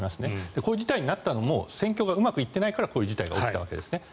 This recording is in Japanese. こういう事態になったのも戦況がうまくいっていないから起きたわけですね。